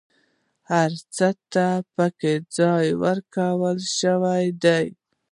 هر څه ته پکې ځای ورکول شوی دی.